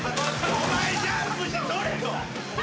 お前ジャンプしてとれよ。